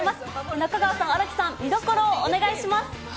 中川さん、新木さん、見どころをお願いします。